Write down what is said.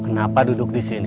kenapa duduk disini